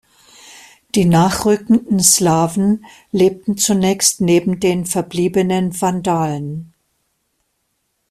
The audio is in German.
Die nachrückenden Slawen lebten zunächst neben den verbliebenen Vandalen.